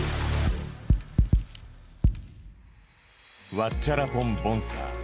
ワッチャラポン・ボンサー。